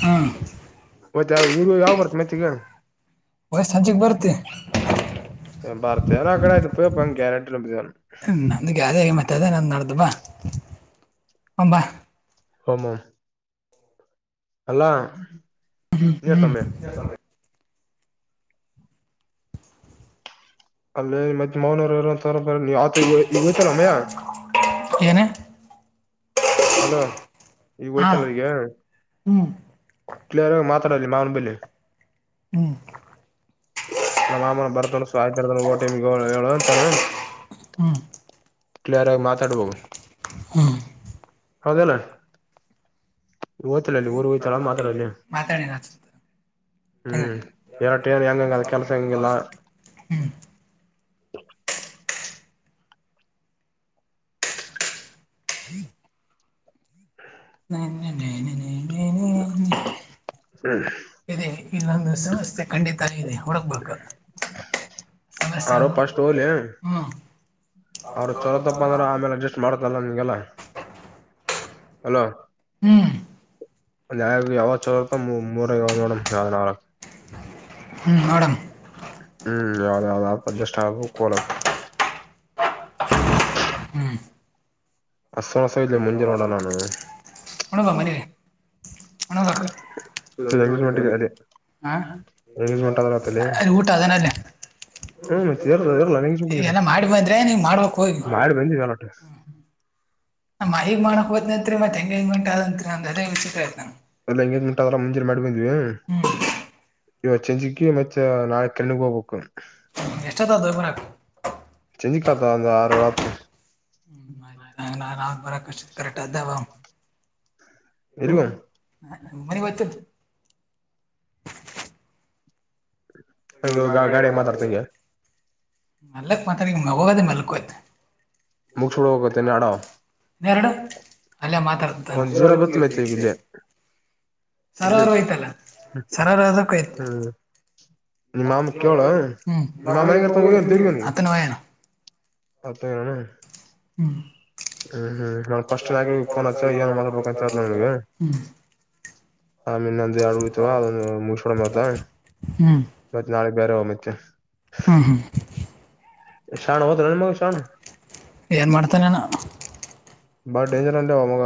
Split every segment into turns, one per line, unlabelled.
ಹಾ
ಮತ್ತೆ ಯಾವ ಊರು ಯಾವ ಬರ್ತ ಮೆತ್ತಗೆ
ವಯಸ್ ಸಂಚಿಗೆ ಬರ್ತಿ
ನ್ ಭರ್ತಯನ ಆಡೆ ಆಯತ ಬಕ್ಯ ನಟ ಎಂಬದ ಜೆ [inaudible]
ನಂದು ಅದೇ ಹಂಬಾ
ಪಮಮ್ ಅಲ್ಲಾ
ಹ್ಮ
ನೀರ್
ಹ್ಮ್
ತಂಬೆ ಅಲ್ಲೇ ಮತ್ತೆ ಮೌನವರುಂತ. ರಬ ನೀ ಯತ ಇ ಇತಲ್ಲಮೆ
ಏನೇ
[unintelligible] ಅಲೋ ಈಗ
ಹಾ
ಹೋಯ್ತಲ್ಲಿಗೆ.
ಹ್ಮ್
ಕ್ಲಿಯರ್ ಆಗಿ ಮಾತಾಡಲ್ಲಿ ಮಾವನ ಬೆಳಿ.
ಹ್ಮ್
ನಮ್ಮ ಮಾಮನ ಬರ್ತೊಂಡ ಸ್ವಾಯತಿರ್ತ ಓಟಿಮಗೆ ಹೇಳು ಅಂತಾನ.
ಹ್ಮ್
ಕ್ಲಿಯರ್ ಆಗಿ ಮಾತಾಡು.
ಹ್ಮ್
ಹೌದಿಲ್ಲ. ಓಯ್ತಲ್ಲಲ್ಲಿ ಊರ್ ಹೋಯ್ತಲ್ಲ ಮಾತಡಲ್ಲೆ.
ಮಾತಾಡಿ
ಹ್ಮ್ ಎರಟರ್ ಹೆಂಗಂಗ ಅದ ಕೆಲ್ಸ ಹೆಂಗಿಲ್ಲ. ಹ್ಮ್
ಒಂದು ಸಮಸ್ಯೆ ಖಂಡಿತ ಹುಡುಕಬೇಕು. ಸಮಸ್ಯೆ ಹ್ಮ್.
ಅವ್ರ ಚಲತ್ತಪ್ಪ ಅಂದ್ರ ಆಮೇಲೆ ಅಡ್ಜಸ್ಟ್ ಮಾಡತ್ತಲ್ಲ ನಿಂಗೆಲ್ಲ ಅಲೋ.
ಹ್ಮ್
ಅಲ್ಲಿ ಯಾವ್ ಯಾವ್ ಯಾವತ್ತು ಚಲೋತ್ತೋ ಮೂ ಮುರ ಯ ನೋಡ ಯಾವದ ನಾಳ
ಹ್ಮ ಮಾಡಮ.
ಹ್ಮ್ ಯಾವ್ದ ಯಾವ್ದ ಆಪ್ಪದಷ್ಟ ಆಬ ಕೋಳ. [inaudible]
ಹ್ಮ್
ಅಸಸ ಇಲಿ ಮುಂಜೆ ನೋಡ ನಾನು.
ಹುಡುಗ ಮನೆಗೆ
ಎಂಗೇಜ್ಮೆಂಟ್ಗೆ
ಹುಡುಗಬೇಕು
ಅದೇ
ಹಾ
ಎಂಗೇಜ್ಮೆಂಟ್ ಆದೆ.
ಅಲ್ಲಿ ಊಟ ಅದನಲ್ಲೇ
ಹ್ಮ ಮತ್ತೆ ಎಲ್ಲ
ಎಲ್ಲ ಮಾಡಿ ಬಂದ್ರೆ ನೀವು ಮಾಡ್ಬೇಕು ಹೋಗಿ
ಮಾಡಿ ಬಂದಿವ ಹೊಲ್ಲಟ.
ನ ಮಹಿ ಮಾಡಕ್ ಹೋದ್ನಂತಿರಿ ಮತ್ ಎಂಗೇಜ್ಮೆಂಟ್ ಆತ್ ಅಂತೀರಿ ಅದೇ ವಿಚಿತ್ರ ಆಯತ ನನಗ.
[unintelligible] ಮಾಡಿ ಬಂದ್ವಿ. ಇವ ಚಂಜಿಕಿ ಮತ್ತೆ ನಾಳೆ [unintelligible] ಹೋಗ್ಬೇಕು.
ಎಷ್ಟೊತ್ ಆಗುತ್ತೋ ಹೋಗ್ ಬರಕ್ಕೆ.
ಚಜಿಕಾತ ಅಂದ ಆರಳ
ನಾನ್ ಅವಾಗ ಬರಕಷ್ಟ ಕರೆಕ್ಟಾಗಿ ಹೋಗುಮ.
[unintelligible]
ಮನೆ ಮನೆಗೆ ಹೋಗ್ತೀನ್.
ಹಂಗೆ ಗ ಗಾಡಿ ಮಾತಾಡ್ತಗೆ.
ಮೆಲ್ಲಕ್ ಮಾತಾಡಿ ನಾ ಹೋಗದೆ ಮಲ್ಕೋತೀನ್.
ಮುಗಛೋಡಾಗತ್ತ ಅಡಾವ.
ಇನ್ನೆರಡು ಅಲ್ಲೇ ಮಾತಾಡ್ತಾನ
ಒಂಜೀರಾಬತ್ ಮತಗಿಲ್ಲೆ.
ಸರ್ ಅವರು ಹೋಯ್ತಲ್ಲ ಸರ್ ಅವರು ಅದಕ್ಕೆ ಹೋಯ್ತು
ಹ್ಮ್ ನಿಮ್ಮ ಮಾಮ ಕೇಳು
ಹ್ಮ್
ನಿಮ್ಮ ಮಾಮ ಮನೆಗೆ
ಅತ್ತನ ವಯಾನ.
ಅತ್ತಣ ಹ್ಮ್ ಹ್ಮ್ ನಾ ಫಸ್ಟ್ ಆಕ್
ಹ್ಮ್
ಫೋನ್ ಹಚ್ಚ ಏನ ಮಾಡತಡ್ಬೇಕಂತ ಹೇಳ ನನ್ಗೆ. ಆಮೇನ್ ನಂದು ಎರಡು ಉಡತವಾ ಅದ ಮುಚ್ಕಡ ಮತ ಮತ್ ನಾಳೆ ಬ್ಯಾರೆ ಒನ್ ಮತ್ತೆ.
ಹು ಹು ಹು.
ಶಾಣ ಹೋದ್ರ ನಿನ್ ಮಗ ಶಾಣ
ಏನ್ ಮಾಡ್ತಾನೆನ.
ಬಾ ಡೇಂಜರ್ ಅಂಡೇ ಮಾಮಗ.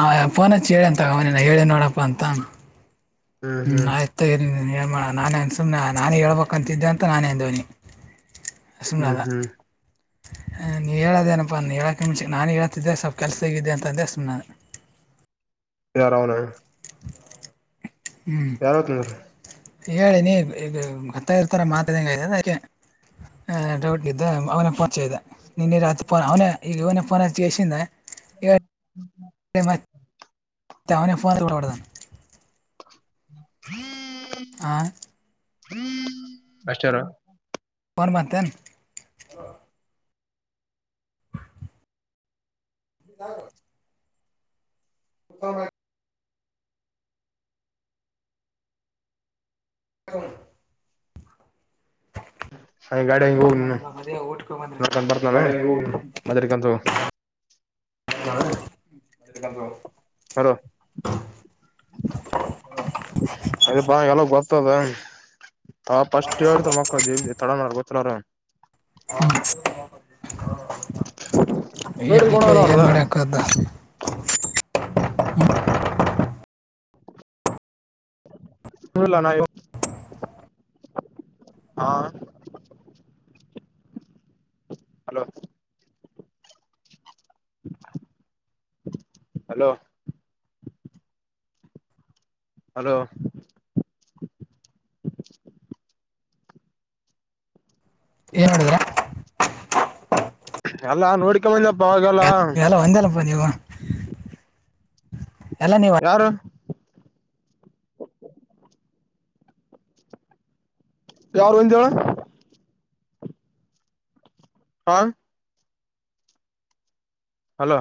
ಹಾ ಫೋನ್ ಹಚ್ಚಿ ಹೇಳಿ ಅಂತ ತಗವನ ಹೇಳಿ ನೋಡಪ್ಪ ಅಂತ. ಹ್ಮ್ ಆಯ್ತ ಹೇ ಮಾಡೋಣ ನಾನೇ ಅನ್ ಸುಮ್ನೆ ನಾನೇ ಹೇಳ್ಬೇಕಕ್ಂತಿದ್ದೆ ಅಂತ ನಾನೇ ಅಂದೇವನಿ
ಹ್ಮ್ ಹ್ಮ್
ನೀವು ಹೇಳೋದೇನಪ್ಪ ನಾನು ಹೇಳಕ್ಕೆ ನಿಮಷ ನಾನು ಹೇಳತಿದ್ದೆ ಸ್ವಲ್ಪ ಕೆಲಸ ಹೇಗಿದ್ದೆ ಅಂತಂದೆ ಅ ಸು ನಾನ
ಯಾರ ಅವನ
ಹ್ಮ್
ಯಾರ ತಂದ್ರ
ಹೇಳಳ ನೀ ಈಗ ಹತ್ತ ಇರ್ ತರ ಮಾತಾಂಗೆಕೆ ಡೌಟ್ ಇದದೆ ಅವನ ಪರಿಚೆ ಇದೆ ನಿನ್ನೆ ರಾತ್ರಿ ಪೋನ್ ಅವನ ಈಗ ಇವನ ಫೋನ್ ಜಸಂದೆ ಈ ಾವನಫೋನ್ ತರ್ದ
ಹ್ಮ್
ಆ
ಅಷ್ಟಾರ
ನ್ ಮಾಡತನೆ ಹ ಹಪ್ಪ ಆ
ಹ ಹ ಗಾಡಿ ಹಂಗ ಹೋಗ ನೀಕ ಬರ್ತನಾನ ಮದರಿ ಕಂತ ಹ
ಹ
ಅೋ ಅದ ಬಾ ಎಲ್ಲ ಬ ರ್ತದ ಆ ಪಫಸ್ಟ್ ಹೇತ ಮಕ್ಕಳ ಜೀವ ತಡ ಗೊತ್ರಾರ
ಹ ಯಕ್ಕೆ ಏನ್ ಮಾಡಿ ಆಕ್ದ
ಹ
ಹ
ಹಲ್ಲಾನಾಯು ಹಾ ಹಲೋ ಹಲೋ ಹಲೋ
ಏನ್ ಮಾಡಿದ್ರ
ಅಲ್ಲಾ ನೋಡಿಕ ಬಂದಪ್ಪ ಅವ
ಎಲ್ಲ ಒಂದಲ್ಲಪ್ಪ ನೀವು
ಹ
ಎಲ್ಲ ನೀವು
ಯಾರು ಯಾರು ಎಂತ ಹನ್ ಹಲೋ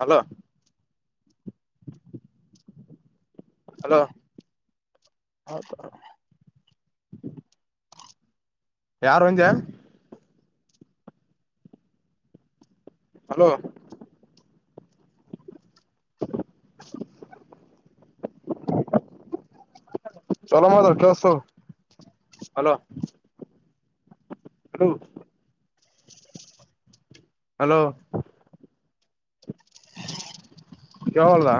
ಹಲೋ ಹ ಹಲೋ ಯಾರು ಅಂದ ಹಲೋ ಹ ಚಲೋ ಮದ ಕೆ ಹಲೋ ಹೋ ಹಲೋ ಯಾವ ಹೊಲ್ದಾ